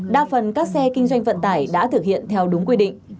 đa phần các xe kinh doanh vận tải đã thực hiện theo đúng quy định